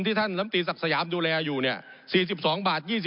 ผมอภิปรายเรื่องการขยายสมภาษณ์รถไฟฟ้าสายสีเขียวนะครับ